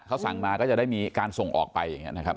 เขาสั่งมาก็จะได้มีการส่งออกไปนะครับ